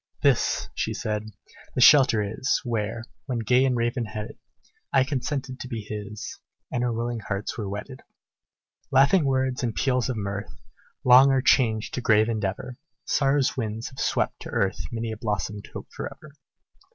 "This," she said, "the shelter is, Where, when gay and raven headed, I consented to be his, And our willing hearts were wedded. "Laughing words and peals of mirth, Long are changed to grave endeavor; Sorrow's winds have swept to earth Many a blossomed hope forever.